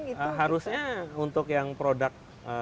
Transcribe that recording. ya harusnya untuk yang produk